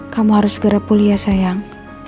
kamu harus segera pulih ya sayang